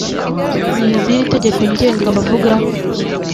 n’iz’iri tegeko ngenga bavuga